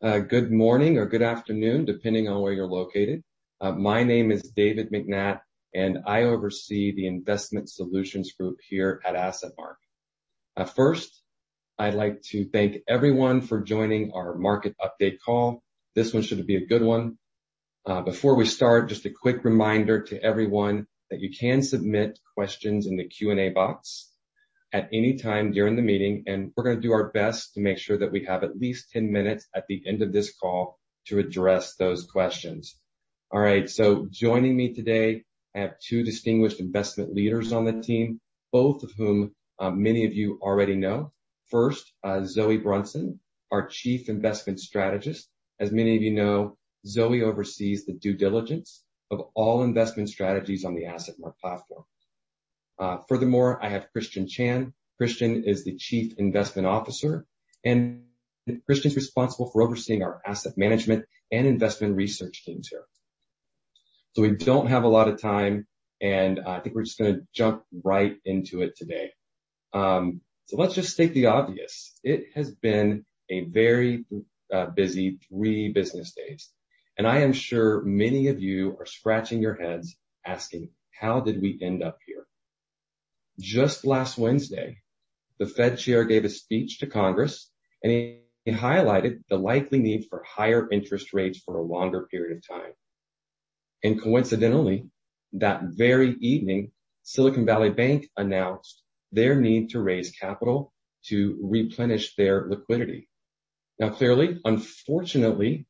Good morning or good afternoon, depending on where you're located. My name is David McNatt, and I oversee the investment solutions group here at AssetMark. I'd like to thank everyone for joining our market update call. This one should be a good one. Before we start, just a quick reminder to everyone that you can submit questions in the Q&A box at any time during the meeting, and we're gonna do our best to make sure that we have at least 10 minutes at the end of this call to address those questions. Joining me today, I have two distinguished investment leaders on the team, both of whom many of you already know. Zoë Brunson, our Chief Investment Strategist. As many of you know, Zoë oversees the due diligence of all investment strategies on the AssetMark platform. Furthermore, I have Christian Chan. Christian is the Chief Investment Officer, and Christian's responsible for overseeing our asset management and investment research teams here. We don't have a lot of time, and I think we're just gonna jump right into it today. Let's just state the obvious. It has been a very busy three business days. I am sure many of you are scratching your heads asking, "How did we end up here?" Just last Wednesday, the Fed Chair gave a speech to Congress, and he highlighted the likely need for higher interest rates for a longer period of time. Coincidentally, that very evening, Silicon Valley Bank announced their need to raise capital to replenish their liquidity. Clearly, unfortunately,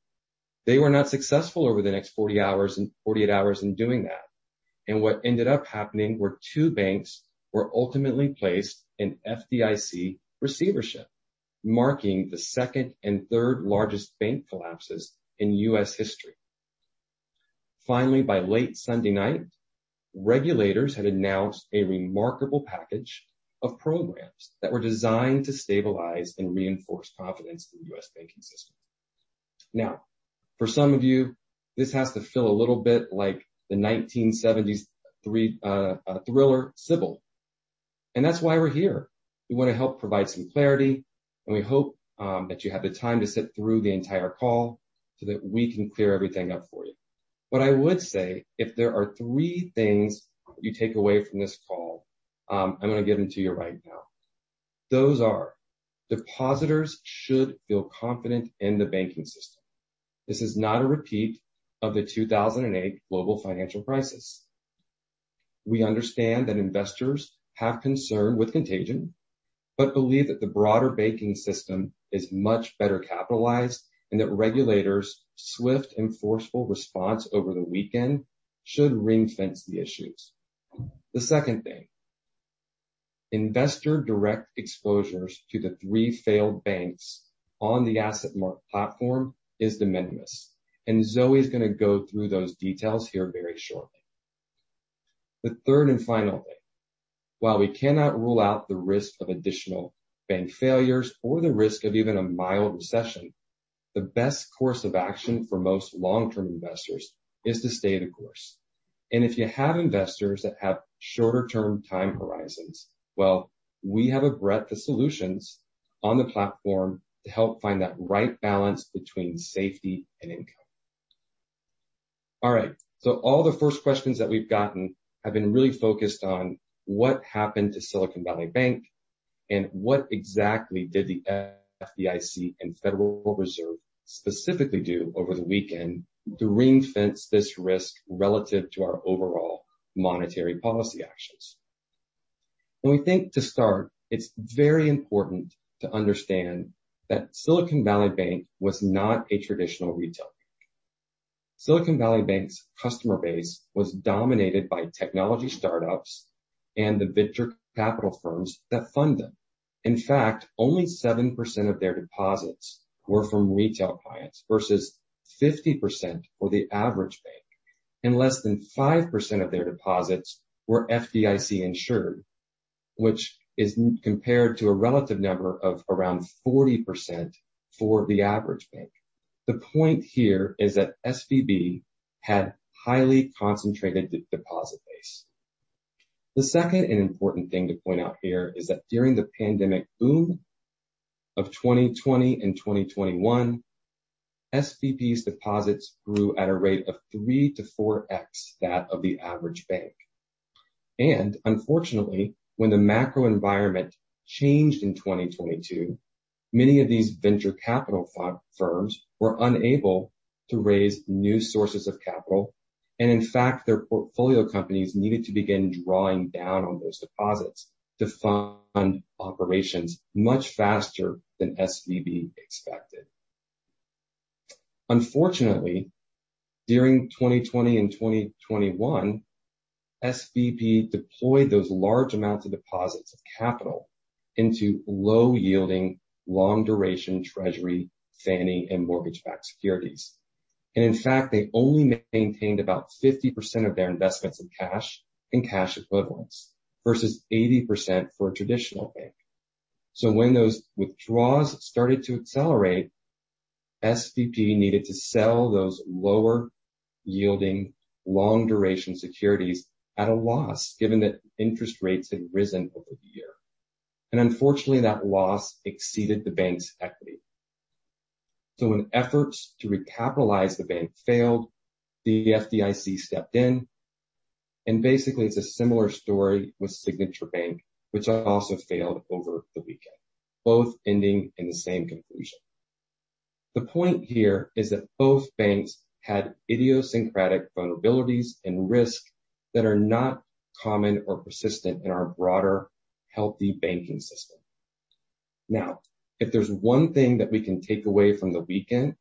they were not successful over the next 40 hours and 48 hours in doing that. What ended up happening were two banks were ultimately placed in FDIC receivership, marking the second and third-largest bank collapses in U.S. history. Finally, by late Sunday night, regulators had announced a remarkable package of programs that were designed to stabilize and reinforce confidence in the U.S. banking system. Now, for some of you, this has to feel a little bit like the 1970s thriller Sybil. That's why we're here. We wanna help provide some clarity, and we hope that you have the time to sit through the entire call so that we can clear everything up for you. What I would say, if there are 3 things you take away from this call, I'm gonna give them to you right now. Those are, depositors should feel confident in the banking system. This is not a repeat of the 2008 global financial crisis. We understand that investors have concern with contagion, believe that the broader banking system is much better capitalized, and that regulators' swift and forceful response over the weekend should ring-fence the issues. The second thing, investor direct exposures to the three failed banks on the AssetMark platform is de minimis. Zoë's gonna go through those details here very shortly. The third and final thing, while we cannot rule out the risk of additional bank failures or the risk of even a mild recession, the best course of action for most long-term investors is to stay the course. If you have investors that have shorter-term time horizons, well, we have a breadth of solutions on the platform to help find that right balance between safety and income. All right. All the first questions that we've gotten have been really focused on what happened to Silicon Valley Bank and what exactly did the FDIC and Federal Reserve specifically do over the weekend to ring-fence this risk relative to our overall monetary policy actions. We think, to start, it's very important to understand that Silicon Valley Bank was not a traditional retail bank. Silicon Valley Bank's customer base was dominated by technology startups and the venture capital firms that fund them. In fact, only 7% of their deposits were from retail clients versus 50% for the average bank. Less than 5% of their deposits were FDIC-insured, which is compared to a relative number of around 40% for the average bank. The point here is that SVB had highly concentrated deposit base. The second and important thing to point out here is that during the pandemic boom of 2020 and 2021, SVB's deposits grew at a rate of 3 to 4x that of the average bank. Unfortunately, when the macro environment changed in 2022, many of these venture capital firms were unable to raise new sources of capital. In fact, their portfolio companies needed to begin drawing down on those deposits to fund operations much faster than SVB expected. Unfortunately, during 2020 and 2021, SVB deployed those large amounts of deposits of capital into low-yielding, long-duration Treasury, Fannie and mortgage-backed securities. In fact, they only maintained about 50% of their investments in cash and cash equivalents versus 80% for a traditional bank. When those withdrawals started to accelerate, SVB needed to sell those lower-yielding long duration securities at a loss, given that interest rates had risen over the year. Unfortunately, that loss exceeded the bank's equity. When efforts to recapitalize the bank failed, the FDIC stepped in. Basically, it's a similar story with Signature Bank, which also failed over the weekend, both ending in the same conclusion. The point here is that both banks had idiosyncratic vulnerabilities and risk that are not common or persistent in our broader, healthy banking system. If there's one thing that we can take away from the weekend,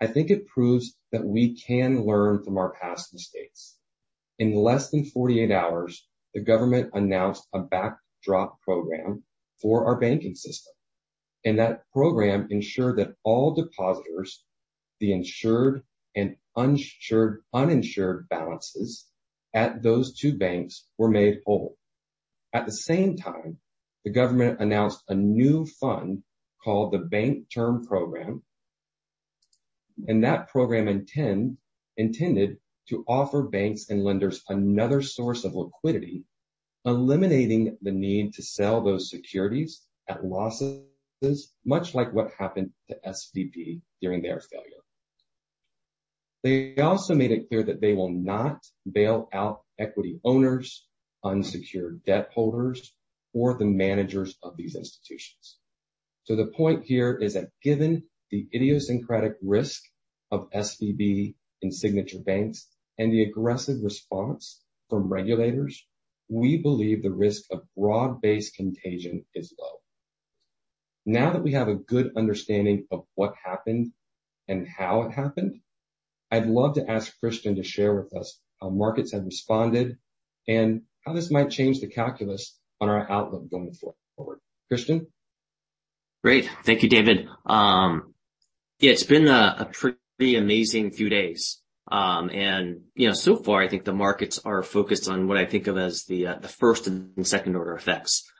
I think it proves that we can learn from our past mistakes. In less than 48 hours, the government announced a backdrop program for our banking system, and that program ensured that all depositors, the insured and uninsured balances at those two banks were made whole. At the same time, the government announced a new fund called the Bank Term Program. That program intended to offer banks and lenders another source of liquidity, eliminating the need to sell those securities at losses, much like what happened to SVB during their failure. They also made it clear that they will not bail out equity owners, unsecured debt holders, or the managers of these institutions. The point here is that given the idiosyncratic risk of SVB and Signature Bank and the aggressive response from regulators, we believe the risk of broad-based contagion is low. Now that we have a good understanding of what happened and how it happened, I'd love to ask Christian to share with us how markets have responded and how this might change the calculus on our outlook going forward. Christian. Great. Thank you, David. Yeah, it's been a pretty amazing few days. You know, so far, I think the markets are focused on what I think of as the first and second order effects.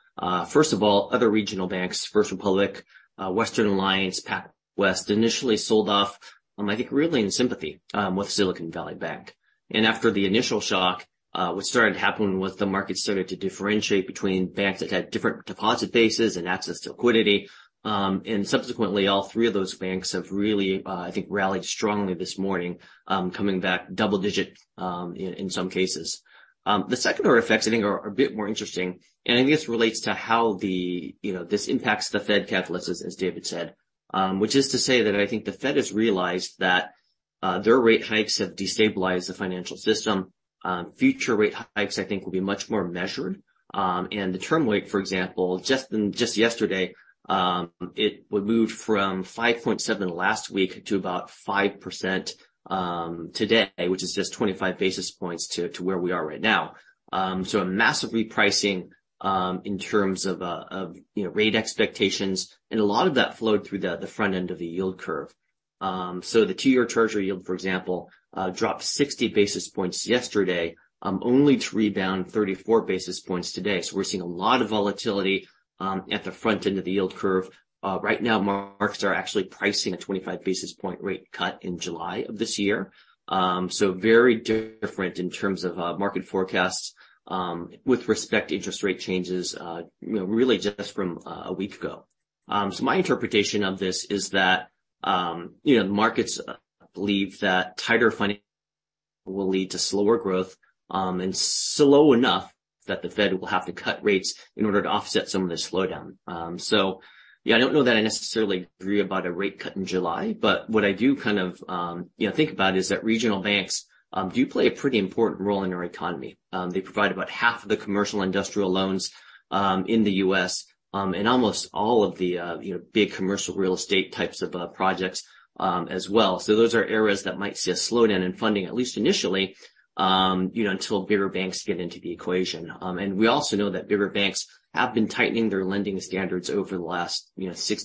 First of all, other regional banks, First Republic, Western Alliance, PacWest, initially sold off, I think really in sympathy with Silicon Valley Bank. After the initial shock, what started to happen was the market started to differentiate between banks that had different deposit bases and access to liquidity. Subsequently, all three of those banks have really, I think rallied strongly this morning, coming back double digit in some cases. The second order effects I think are a bit more interesting, and I think this relates to how the, you know, this impacts the Fed catalysts, as David said. Which is to say that I think the Fed has realized that their rate hikes have destabilized the financial system. Future rate hikes I think will be much more measured. The term rate, for example, just yesterday, it moved from 5.7 last week to about 5% today, which is just 25 basis points to where we are right now. A massive repricing in terms of, you know, rate expectations, and a lot of that flowed through the front end of the yield curve. The 2-year Treasury yield, for example, dropped 60 basis points yesterday, only to rebound 34 basis points today. We're seeing a lot of volatility at the front end of the yield curve. Right now, markets are actually pricing a 25 basis point rate cut in July of this year. Very different in terms of market forecasts with respect to interest rate changes, you know, really just from a week ago. My interpretation of this is that, you know, the markets believe that tighter funding will lead to slower growth, and slow enough that the Fed will have to cut rates in order to offset some of the slowdown. Yeah, I don't know that I necessarily agree about a rate cut in July, but what I do kind of, you know, think about is that regional banks do play a pretty important role in our economy. They provide about half of the commercial industrial loans in the U.S., and almost all of the, you know, big commercial real estate types of projects as well. Those are areas that might see a slowdown in funding, at least initially, you know, until bigger banks get into the equation. We also know that bigger banks have been tightening their lending standards over the last, you know, six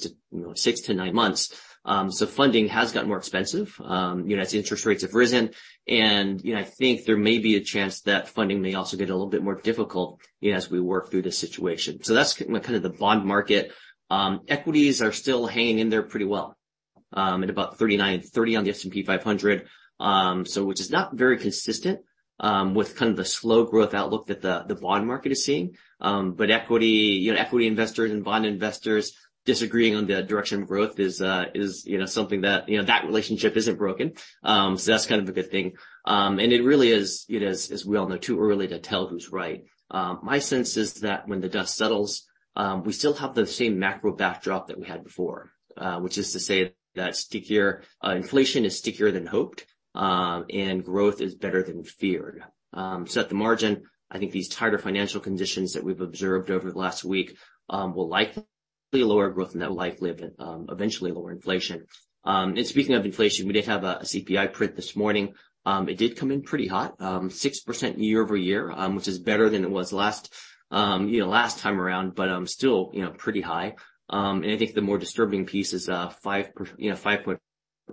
to nine months. Funding has gotten more expensive, you know, as interest rates have risen. You know, I think there may be a chance that funding may also get a little bit more difficult as we work through this situation. That's kind of the bond market. Equities are still hanging in there pretty well, at about 3,930 on the S&P 500, so, which is not very consistent with kind of the slow growth outlook that the bond market is seeing. Equity, you know, equity investors and bond investors disagreeing on the direction of growth is, you know, something that, you know, that relationship isn't broken. That's kind of a good thing. It really is, you know, as we all know, too early to tell who's right. My sense is that when the dust settles, we still have the same macro backdrop that we had before, which is to say that inflation is stickier than hoped, and growth is better than feared. At the margin, I think these tighter financial conditions that we've observed over the last week, will likely lower growth and they'll likely, eventually lower inflation. Speaking of inflation, we did have a CPI print this morning. It did come in pretty hot, 6% year-over-year, which is better than it was last, you know, last time around, but, still, you know, pretty high. I think the more disturbing piece is, you know,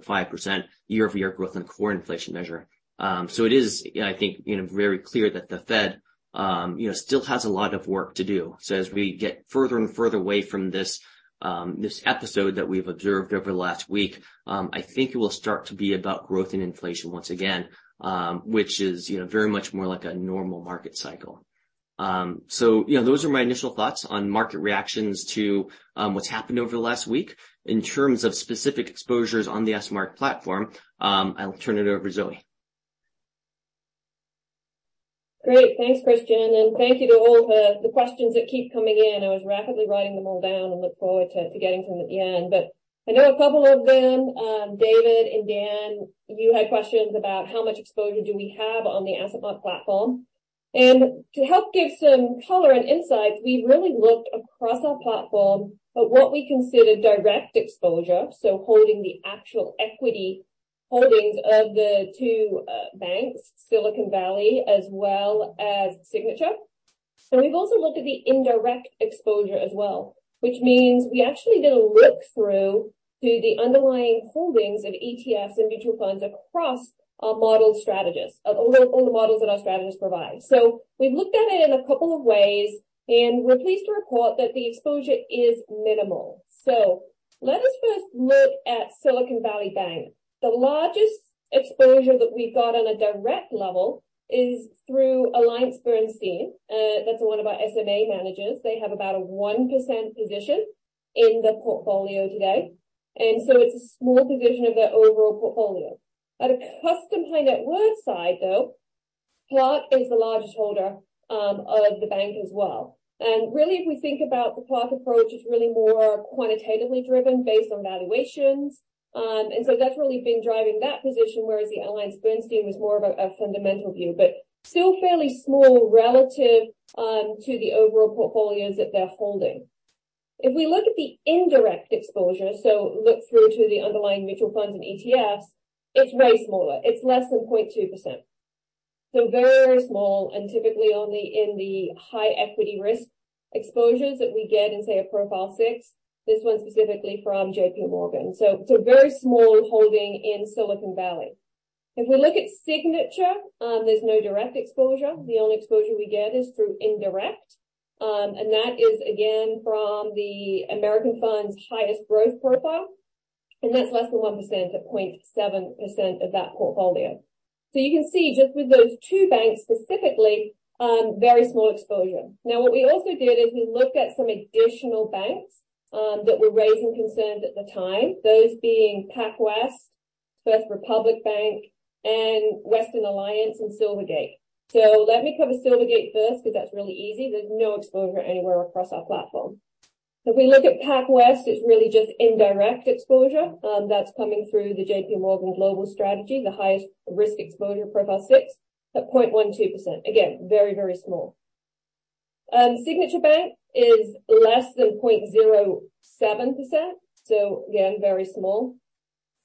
5.5% year-over-year growth in core inflation measure. It is, I think, you know, very clear that the Fed, you know, still has a lot of work to do. As we get further and further away from this episode that we've observed over the last week, I think it will start to be about growth and inflation once again, which is, you know, very much more like a normal market cycle. You know, those are my initial thoughts on market reactions to what's happened over the last week. In terms of specific exposures on the AssetMark platform, I'll turn it over to Zoe. Great. Thanks, Christian, thank you to all the questions that keep coming in. I was rapidly writing them all down and look forward to getting to them at the end. I know a couple of them, David and Dan, you had questions about how much exposure do we have on the AssetMark platform. To help give some color and insights, we've really looked across our platform at what we consider direct exposure, so holding the actual equity holdings of the two banks, Silicon Valley as well as Signature. We've also looked at the indirect exposure as well, which means we actually did a look through to the underlying holdings of ETFs and mutual funds across our model strategists, all the models that our strategists provide. We've looked at it in a couple of ways, and we're pleased to report that the exposure is minimal. Let us first look at Silicon Valley Bank. The largest exposure that we've got on a direct level is through AllianceBernstein. That's one of our SMA managers. They have about a 1% position in the portfolio today, and so it's a small position of their overall portfolio. At a Custom Planned Artwork side, though, Clark is the largest holder of the bank as well. Really, if we think about the Clark approach, it's really more quantitatively driven based on valuations. That's really been driving that position, whereas the AllianceBernstein was more of a fundamental view, but still fairly small relative to the overall portfolios that they're holding. If we look at the indirect exposure, so look through to the underlying mutual funds and ETFs, it's way smaller. It's less than 0.2%. Very small and typically only in the high equity risk exposures that we get in, say, a profile 6. This one's specifically from JPMorgan. It's a very small holding in Silicon Valley. If we look at Signature, there's no direct exposure. The only exposure we get is through indirect. That is again from the American Funds' highest growth profile, and that's less than 1% at 0.7% of that portfolio. You can see just with those two banks specifically, very small exposure. Now, what we also did is we looked at some additional banks that were raising concerns at the time, those being PacWest, First Republic Bank, and Western Alliance and Silvergate. Let me cover Silvergate first because that's really easy. There's no exposure anywhere across our platform. If we look at PacWest, it's really just indirect exposure that's coming through the JPMorgan Global Strategic strategy, the highest risk exposure profile 6 at 0.12%. Again, very small. Signature Bank is less than 0.07%, so again, very small.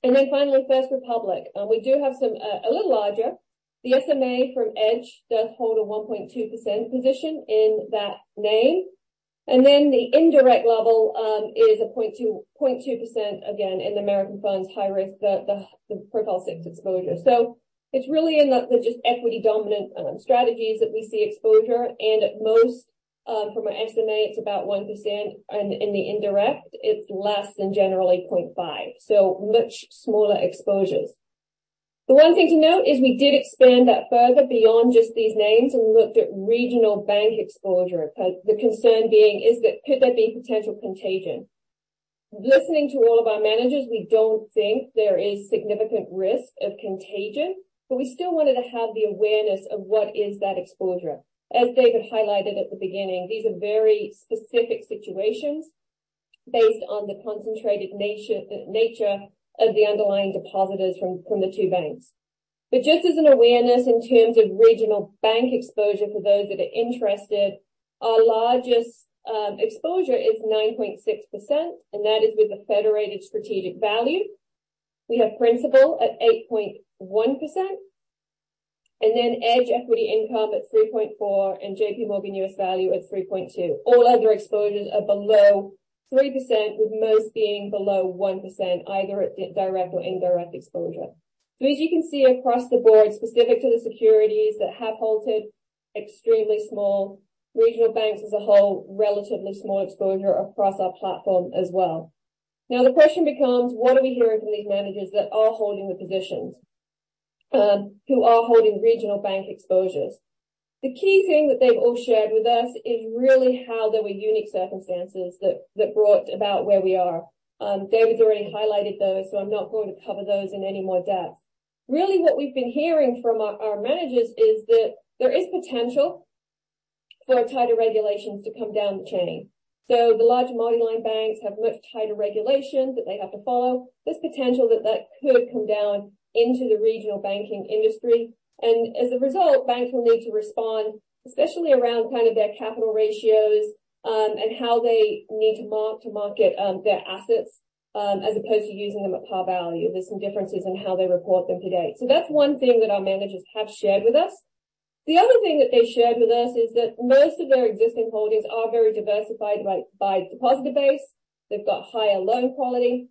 Finally, First Republic. We do have some a little larger. The SMA from Edge does hold a 1.2% position in that name. The indirect level is a 0.2%, 0.2%, again, in American Fund's high risk, the profile 6 exposure. It's really in the just equity-dominant strategies that we see exposure and at most, from an SMA it's about 1%, and in the indirect it's less than generally 0.5. Much smaller exposures. The one thing to note is we did expand that further beyond just these names and looked at regional bank exposure. The concern being is that could there be potential contagion? Listening to all of our managers, we don't think there is significant risk of contagion, but we still wanted to have the awareness of what is that exposure. As David highlighted at the beginning, these are very specific situations based on the concentrated nature of the underlying depositors from the two banks. Just as an awareness in terms of regional bank exposure for those that are interested, our largest exposure is 9.6%, and that is with the Federated Strategic Value. We have Principal at 8.1% and then Edge Equity Income at 3.4% and JPMorgan U.S. Value at 3.2%. All other exposures are below 3%, with most being below 1%, either at direct or indirect exposure. As you can see across the board, specific to the securities that have halted, extremely small regional banks as a whole, relatively small exposure across our platform as well. The question becomes what are we hearing from these managers that are holding the positions, who are holding regional bank exposures? The key thing that they've all shared with us is really how there were unique circumstances that brought about where we are. David's already highlighted those, I'm not going to cover those in any more depth. Really what we've been hearing from our managers is that there is potential for tighter regulations to come down the chain. The larger multiline banks have much tighter regulations that they have to follow. There's potential that could come down into the regional banking industry. As a result, banks will need to respond, especially around kind of their capital ratios, and how they need to mark-to-market their assets as opposed to using them at par value. There's some differences in how they report them to date. That's one thing that our managers have shared with us. The other thing that they shared with us is that most of their existing holdings are very diversified by depositor base. They've got higher loan quality.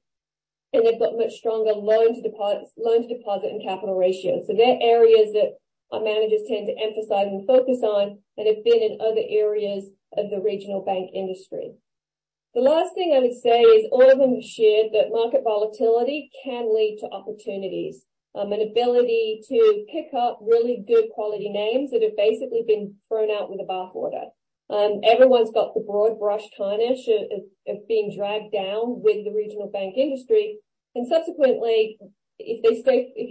They've got much stronger loan to deposit and capital ratios. They're areas that our managers tend to emphasize and focus on that have been in other areas of the regional bank industry. The last thing I would say is all of them have shared that market volatility can lead to opportunities, and ability to pick up really good quality names that have basically been thrown out with a bathwater. Everyone's got the broad brush tarnish of being dragged down with the regional bank industry. Subsequently, if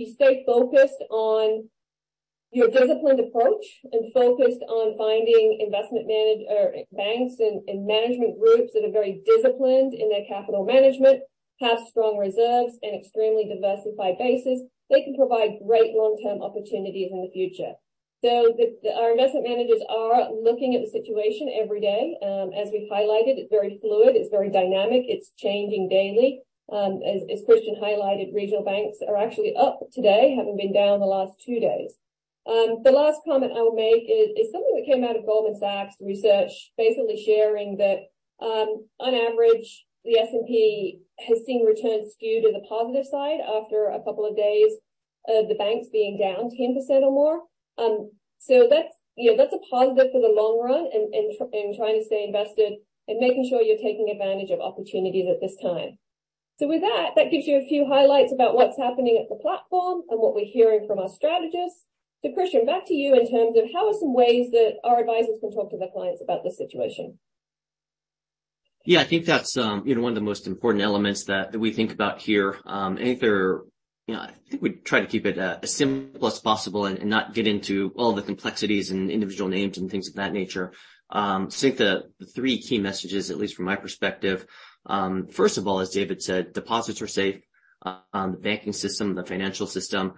you stay focused on your disciplined approach and focused on finding investment manager banks and management groups that are very disciplined in their capital management, have strong reserves and extremely diversified bases, they can provide great long-term opportunities in the future. The, our investment managers are looking at the situation every day. As we've highlighted, it's very fluid, it's very dynamic, it's changing daily. As Christian highlighted, regional banks are actually up today, having been down the last two days. The last comment I will make is something that came out of Goldman Sachs research, basically sharing that on average, the S&P has seen returns skewed to the positive side after a couple of days of the banks being down 10% or more. That's, you know, that's a positive for the long run and trying to stay invested and making sure you're taking advantage of opportunities at this time. With that gives you a few highlights about what's happening at the platform and what we're hearing from our strategists. Christian, back to you in terms of how are some ways that our advisors can talk to their clients about this situation. Yeah, I think that's, you know, one of the most important elements that we think about here. You know, I think we try to keep it as simple as possible and not get into all the complexities and individual names and things of that nature. I think the three key messages, at least from my perspective, first of all, as David said, deposits are safe. The banking system, the financial system,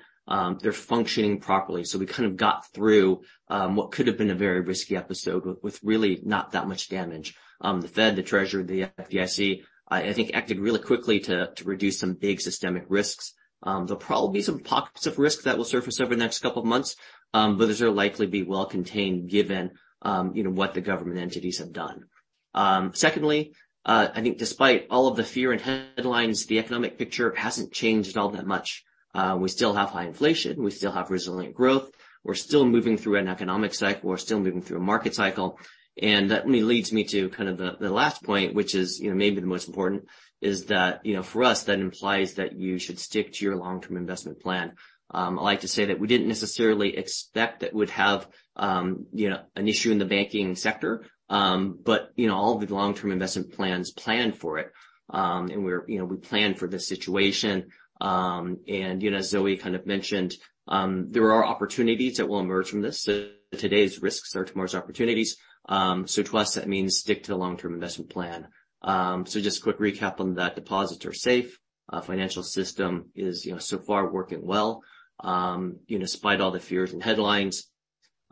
they're functioning properly. We kind of got through what could have been a very risky episode with really not that much damage. The Fed, the Treasury, the FDIC, I think acted really quickly to reduce some big systemic risks. There'll probably be some pockets of risk that will surface over the next couple of months, but those are likely be well contained given, you know, what the government entities have done. Secondly, I think despite all of the fear and headlines, the economic picture hasn't changed all that much. We still have high inflation, we still have resilient growth. We're still moving through an economic cycle. We're still moving through a market cycle. That really leads me to kind of the last point, which is, you know, maybe the most important is that, you know, for us, that implies that you should stick to your long-term investment plan. I like to say that we didn't necessarily expect that we'd have, you know, an issue in the banking sector, but, you know, all of the long-term investment plans planned for it. We planned for this situation. You know, as Zoe kind of mentioned, there are opportunities that will emerge from this. Today's risks are tomorrow's opportunities. To us that means stick to the long-term investment plan. Just a quick recap on that. Deposits are safe. Financial system is, you know, so far working well. You know, despite all the fears and headlines,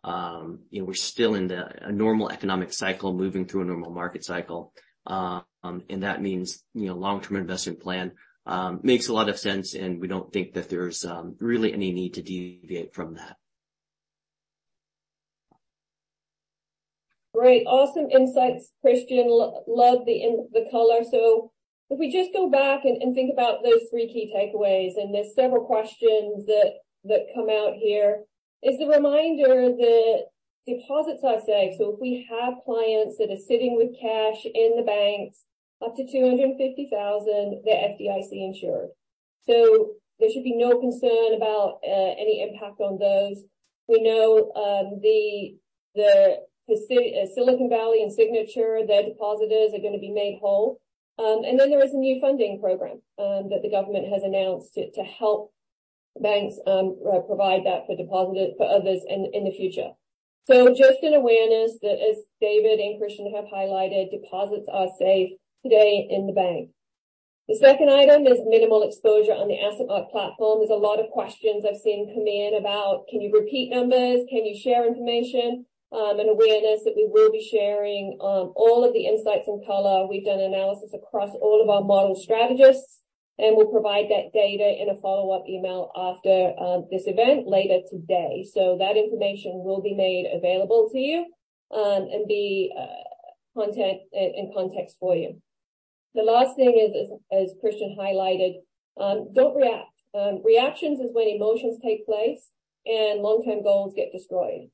you know, we're still in the, a normal economic cycle, moving through a normal market cycle. That means, you know, long-term investment plan makes a lot of sense, and we don't think that there's really any need to deviate from that. Great. Awesome insights, Christian. Love the color. If we just go back and think about those three key takeaways, there's several questions that come out here, is the reminder that deposits are safe. If we have clients that are sitting with cash in the banks, up to $250,000, they're FDIC insured. There should be no concern about any impact on those. We know, Silicon Valley and Signature, their depositors are gonna be made whole. There is a new funding program that the government has announced to help banks provide that for others in the future. Just an awareness that as David and Christian have highlighted, deposits are safe today in the bank. The second item is minimal exposure on the AssetMark platform. There's a lot of questions I've seen come in about can you repeat numbers, can you share information, and awareness that we will be sharing all of the insights and color. We've done analysis across all of our model strategists, we'll provide that data in a follow-up email after this event later today. That information will be made available to you, and be in context for you. The last thing is, as Christian highlighted, don't react. Reactions is when emotions take place and long-term goals get destroyed.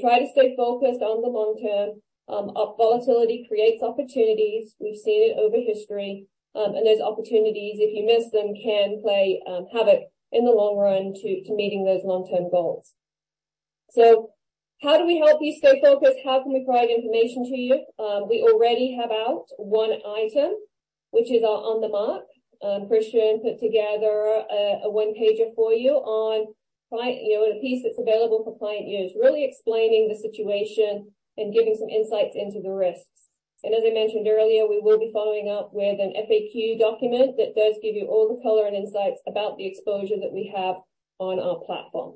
Try to stay focused on the long term. Volatility creates opportunities. We've seen it over history. Those opportunities, if you miss them, can play havoc in the long run to meeting those long-term goals. How do we help you stay focused? How can we provide information to you? We already have out one item, which is our On The Mark. Christian put together a one-pager for you on client, you know, a piece that's available for client use, really explaining the situation and giving some insights into the risks. As I mentioned earlier, we will be following up with an FAQ document that does give you all the color and insights about the exposure that we have on our platform.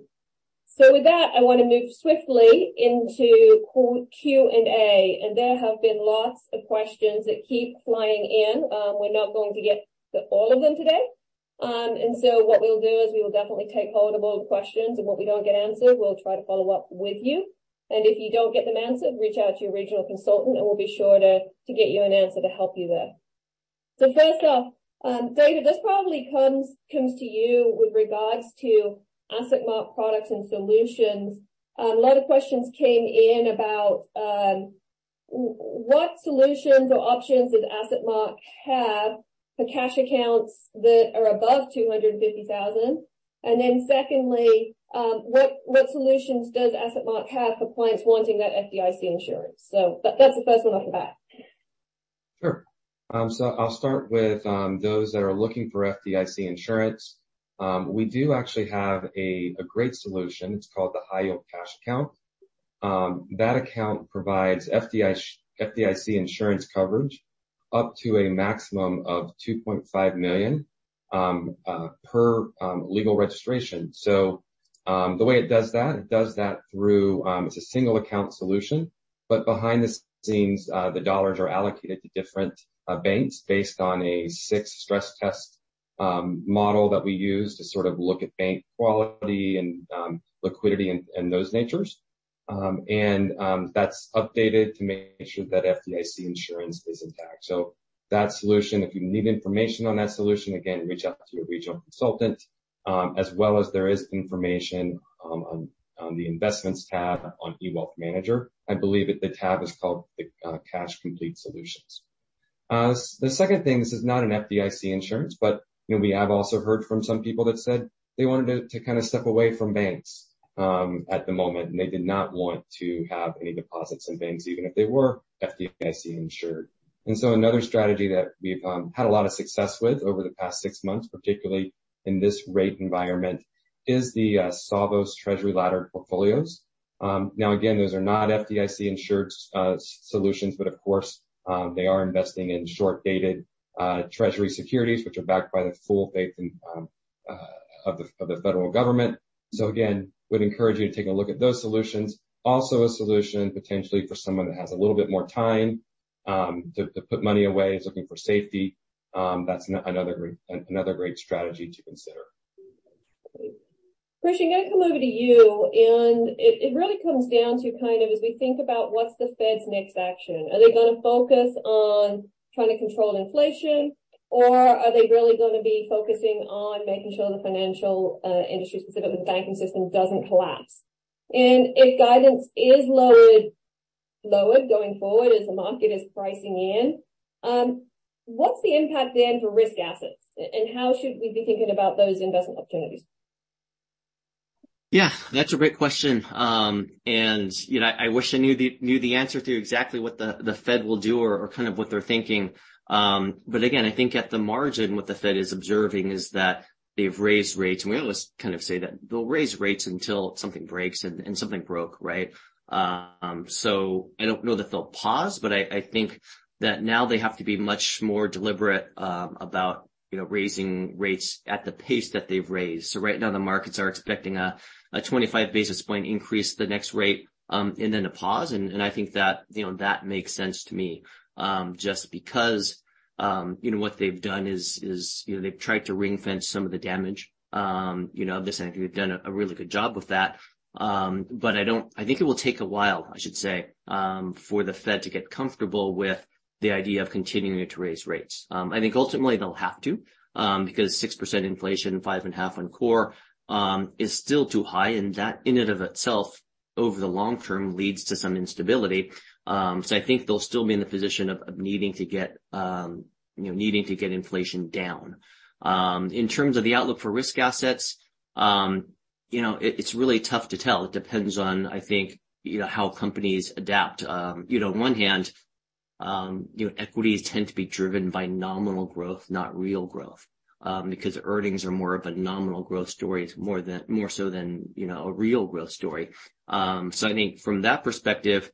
With that, I wanna move swiftly into Q&A. There have been lots of questions that keep flying in. We're not going to get all of them today. What we'll do is we will definitely take hold of all the questions and what we don't get answered, we'll try to follow up with you. If you don't get them answered, reach out to your regional consultant and we'll be sure to get you an answer to help you there. First off, David, this probably comes to you with regards to AssetMark products and solutions. A lot of questions came in about what solutions or options does AssetMark have for cash accounts that are above $250,000? Secondly, what solutions does AssetMark have for clients wanting that FDIC insurance? That's the first one off the bat. Sure. I'll start with those that are looking for FDIC insurance. We do actually have a great solution. It's called the High Yield Cash Account. That account provides FDIC insurance coverage up to a maximum of $2.5 million per legal registration. The way it does that, it does that through it's a single account solution. Behind the scenes, the dollars are allocated to different banks based on a 6 stress test model that we use to sort of look at bank quality and liquidity and those natures. That's updated to make sure that FDIC insurance is intact. That solution, if you need information on that solution, again, reach out to your regional consultant. As well as there is information on the investments tab on eWealthManager. I believe that the tab is called the CashComplete Solutions. The second thing, this is not an FDIC insurance, but, you know, we have also heard from some people that said they wanted to kinda step away from banks at the moment, and they did not want to have any deposits in banks, even if they were FDIC insured. Another strategy that we've had a lot of success with over the past six months, particularly in this rate environment, is the Savos Treasury Laddered portfolios. Now again, those are not FDIC insured solutions, but of course, they are investing in short-dated Treasury securities, which are backed by the full faith of the federal government. Again, we'd encourage you to take a look at those solutions. Also a solution potentially for someone that has a little bit more time to put money away, is looking for safety, that's another great strategy to consider. Christian, gonna come over to you, and it really comes down to kind of as we think about what's the Fed's next action. Are they gonna focus on trying to control inflation, or are they really gonna be focusing on making sure the financial industry, specifically the banking system, doesn't collapse? If guidance is lowered going forward as the market is pricing in, what's the impact then for risk assets, and how should we be thinking about those investment opportunities? Yeah, that's a great question. You know, I wish I knew the answer to exactly what the Fed will do or kind of what they're thinking. Again, I think at the margin, what the Fed is observing is that they've raised rates, and we always kind of say that they'll raise rates until something breaks and something broke, right? I don't know that they'll pause, but I think that now they have to be much more deliberate about, you know, raising rates at the pace that they've raised. Right now the markets are expecting a 25 basis point increase the next rate, and then a pause. I think that, you know, that makes sense to me, just because, you know, what they've done is, you know, they've tried to ring-fence some of the damage. You know, obviously they've done a really good job with that. I think it will take a while, I should say, for the Fed to get comfortable with the idea of continuing to raise rates. I think ultimately they'll have to, because 6% inflation, five and half on core, is still too high, and that in and of itself, over the long term, leads to some instability. I think they'll still be in the position of needing to get, you know, needing to get inflation down. In terms of the outlook for risk assets, you know, it's really tough to tell. It depends on, I think, you know, how companies adapt. You know, on one hand, you know, equities tend to be driven by nominal growth, not real growth. Because earnings are more of a nominal growth story more than, more so than, you know, a real growth story. I think from that perspective,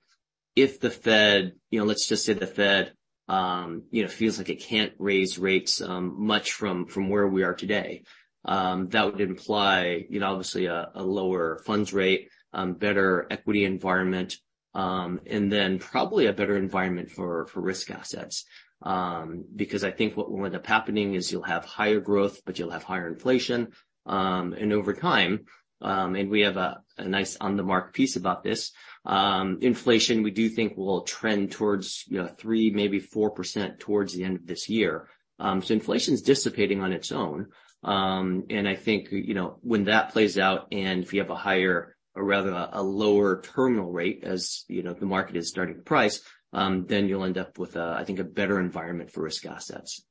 if the Fed, you know, let's just say the Fed, you know, feels like it can't raise rates, much from where we are today, that would imply, you know, obviously a lower funds rate, better equity environment, and then probably a better environment for risk assets. I think what will end up happening is you'll have higher growth, but you'll have higher inflation. Over time, and we have a nice On The Mark piece about this, inflation, we do think will trend towards, you know, 3, maybe 4% towards the end of this year. Inflation's dissipating on its own. I think, you know, when that plays out and if you have a higher or rather a lower terminal rate, as you know, the market is starting to price, then you'll end up with a, I think, a better environment for risk assets.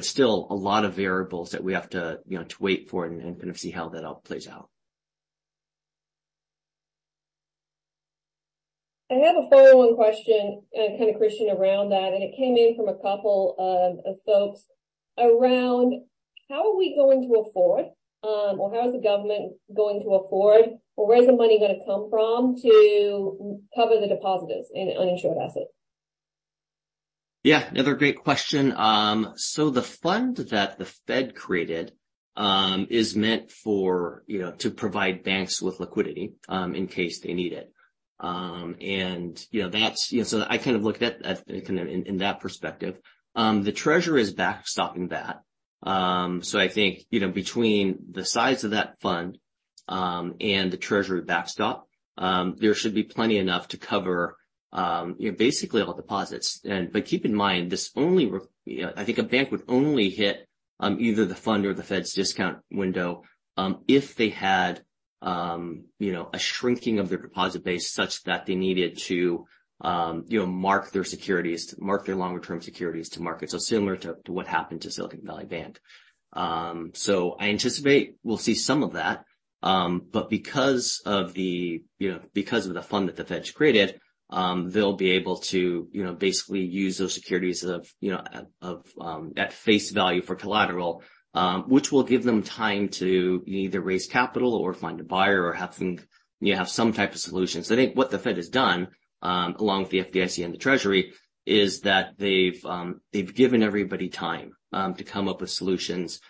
Still a lot of variables that we have to, you know, to wait for and kind of see how that all plays out. I have a follow-on question, kinda Christian around that. It came in from a couple of folks around how are we going to afford, or how is the government going to afford, or where is the money gonna come from to cover the depositors in uninsured assets? Yeah, another great question. The fund that the Fed created, is meant for, you know, to provide banks with liquidity, in case they need it. You know, that's, you know, so I kind of look at that, at, kind of in that perspective. The Treasury is backstopping that. I think, you know, between the size of that fund, and the Treasury backstop, there should be plenty enough to cover, you know, basically all deposits. Keep in mind, this only I think a bank would only hit, either the fund or the Fed's discount window, if they had, you know, a shrinking of their deposit base such that they needed to, you know, mark their longer-term securities to market. Similar to what happened to Silicon Valley Bank. I anticipate we'll see some of that. Because of the, you know, because of the fund that the Fed's created, they'll be able to, you know, basically use those securities of, you know, of at face value for collateral, which will give them time to either raise capital or find a buyer or have some, you know, have some type of solution. I think what the Fed has done, along with the FDIC and the Treasury is that they've given everybody time to come up with solutions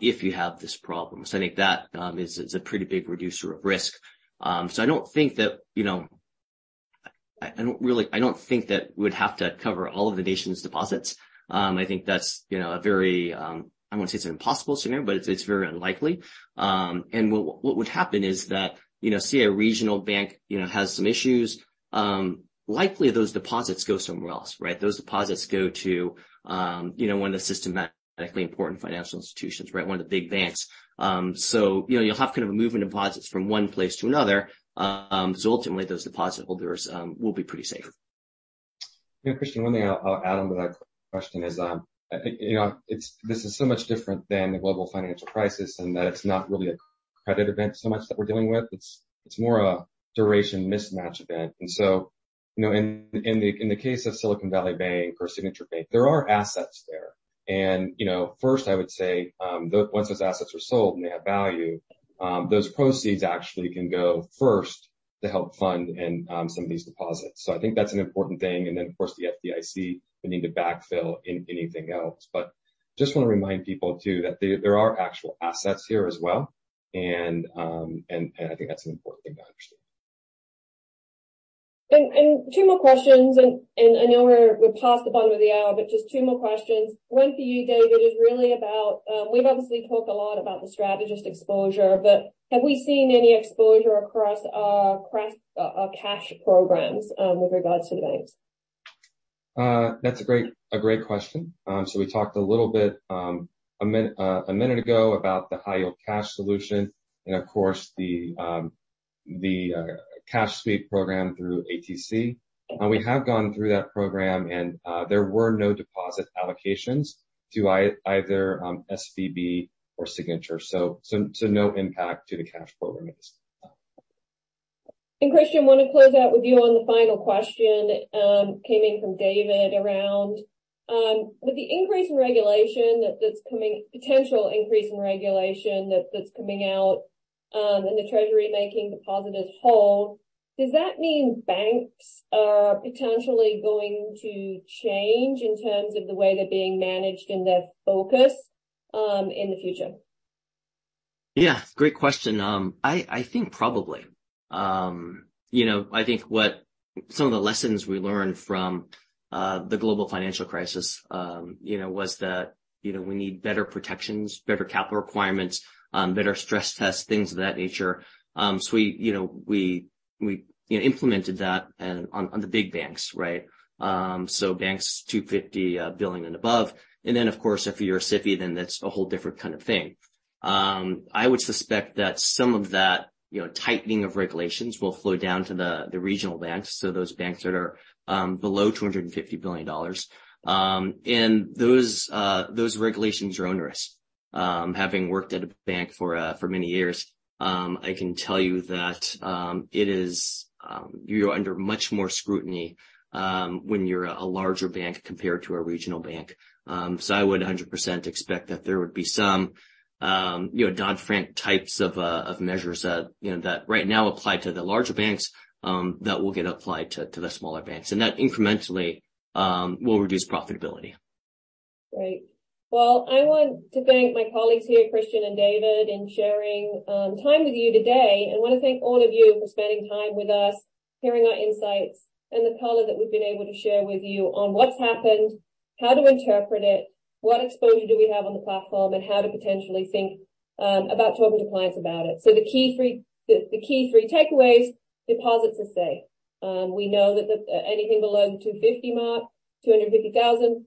if you have this problem. I think that is a pretty big reducer of risk. I don't think that, you know, I don't think that we'd have to cover all of the nation's deposits. I think that's, you know, a very, I won't say it's an impossible scenario, but it's very unlikely. What, what would happen is that, you know, say a regional bank, you know, has some issues, likely those deposits go somewhere else, right? Those deposits go to, you know, one of the systematically important financial institutions, right? One of the big banks. You know, you'll have kind of a movement of deposits from one place to another, so ultimately those deposit holders, will be pretty safe. You know, Christian, one thing I'll add on to that question is, you know, this is so much different than the global financial crisis in that it's not really a credit event so much that we're dealing with. It's, it's more a duration mismatch event. You know, in the, in the case of Silicon Valley Bank or Signature Bank, there are assets there. You know, first, I would say, once those assets are sold and they have value, those proceeds actually can go first to help fund and some of these deposits. I think that's an important thing. Then, of course, the FDIC would need to backfill in anything else. Just wanna remind people too that there are actual assets here as well. And I think that's an important thing to understand. Two more questions. I know we're past the bottom of the hour, but just two more questions. One for you, David, is really about, we've obviously talked a lot about the strategist exposure, but have we seen any exposure across our Crest cash programs with regards to banks? That's a great question. We talked a little bit a minute ago about the High Yield Cash solution and of course the cash sweep program through ATC. We have gone through that program and there were no deposit allocations to either SVB or Signature. So no impact to the cash program at this point, no. Christian, wanna close out with you on the final question, came in from David around, with the potential increase in regulation that's coming out, and the Treasury making depositors whole, does that mean banks are potentially going to change in terms of the way they're being managed and their focus, in the future? Yeah. Great question. I think probably. You know, I think what some of the lessons we learned from the Global Financial Crisis, you know, was that, you know, we need better protections, better capital requirements, better stress tests, things of that nature. We, you know, we, you know, implemented that and on the big banks, right? Banks $250 billion and above. Of course, if you're a SIFI, that's a whole different kind of thing. I would suspect that some of that, you know, tightening of regulations will flow down to the regional banks, so those banks that are below $250 billion. Those regulations are onerous. Having worked at a bank for many years, I can tell you that it is you're under much more scrutiny when you're a larger bank compared to a regional bank. So I would 100% expect that there would be some, you know, Dodd-Frank types of measures that, you know, that right now apply to the larger banks that will get applied to the smaller banks. That incrementally will reduce profitability. Great. Well, I want to thank my colleagues here, Christian and David, in sharing time with you today. I wanna thank all of you for spending time with us, hearing our insights and the color that we've been able to share with you on what's happened, how to interpret it, what exposure do we have on the platform, and how to potentially think about talking to clients about it. The key three takeaways, deposits are safe. We know that anything below the 250 mark, $250,000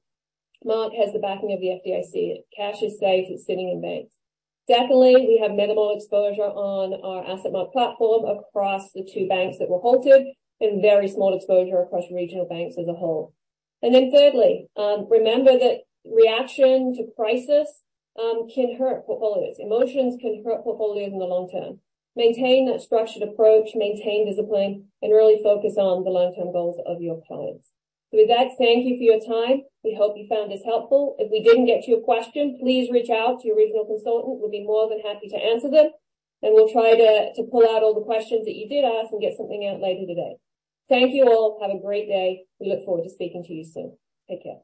mark has the backing of the FDIC. Cash is safe. It's sitting in banks. Secondly, we have minimal exposure on our AssetMark platform across the two banks that were halted and very small exposure across regional banks as a whole. Thirdly, remember that reaction to crisis can hurt portfolios. Emotions can hurt portfolios in the long term. Maintain a structured approach, maintain discipline, and really focus on the long-term goals of your clients. With that, thank you for your time. We hope you found this helpful. If we didn't get to your question, please reach out to your regional consultant. We'd be more than happy to answer them. We'll try to pull out all the questions that you did ask and get something out later today. Thank you all. Have a great day. We look forward to speaking to you soon. Take care.